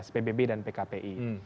pbb dan pkpi